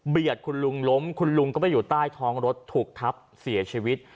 คุณลุงล้มคุณลุงก็ไปอยู่ใต้ท้องรถถูกทับเสียชีวิต